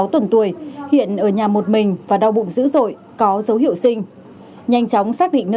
hai mươi sáu tuần tuổi hiện ở nhà một mình và đau bụng dữ dội có dấu hiệu sinh nhanh chóng xác định nờ